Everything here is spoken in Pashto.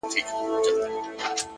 پوهه د ژوند انتخابونه ډېروي!